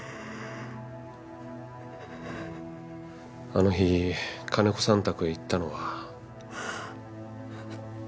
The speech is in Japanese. あの日金子さん宅へ行ったのは？